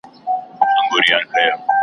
بلا د عِشق چې پرې را وګرځېده